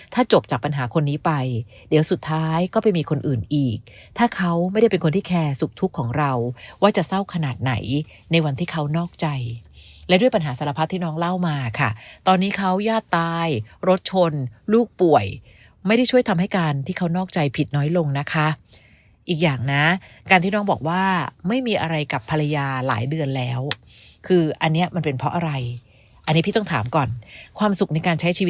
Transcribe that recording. ถ้าเขาไม่ได้เป็นคนที่แคร์สุขทุกของเราว่าจะเศร้าขนาดไหนในวันที่เขานอกใจและด้วยปัญหาสารพัฒน์ที่น้องเล่ามาค่ะตอนนี้เขาย่าตายรถชนลูกป่วยไม่ได้ช่วยทำให้การที่เขานอกใจผิดน้อยลงนะคะอีกอย่างนะการที่น้องบอกว่าไม่มีอะไรกับภรรยาหลายเดือนแล้วคืออันนี้มันเป็นเพราะอะไรอันนี้พี่ต้องถามก่อนความสุขในการใช้ชีว